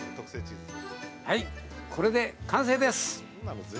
これで、完成です！